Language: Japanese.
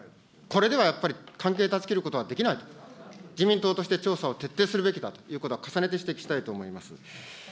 これではやっぱり、関係断ち切ることはできないと、自民党として調査を徹底するべきだということは重ねて指摘したいと思います。